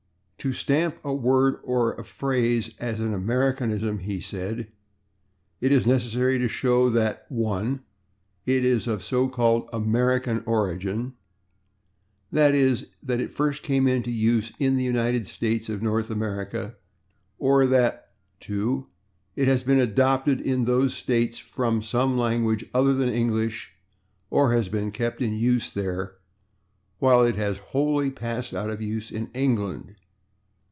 "To stamp a word or a phrase as an Americanism," he said, "it is necessary to show that (1) it is of so called 'American' origin that is, that it first came into use in the United States of North America, or that (2) it has been adopted in those States from some language other than English, or has been kept in use there while it has /wholly/ passed out of use in England."